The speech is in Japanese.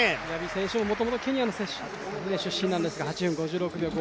もともとケニアの選手で出身なんですが、８分５６秒５５。